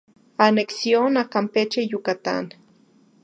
Anexión a Campeche y Yucatán